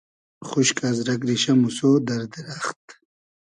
خوشکۂ از رئگ ریشۂ , موسۉ , دئر دیرئخت